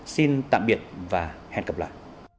xin tạm biệt và hẹn gặp lại